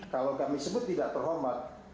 kalau kami sebut tidak terhormat